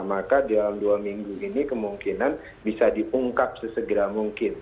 maka dalam dua minggu ini kemungkinan bisa diungkap sesegera mungkin